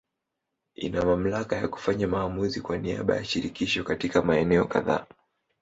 Ina mamlaka ya kufanya maamuzi kwa niaba ya Shirikisho katika maeneo kadhaa.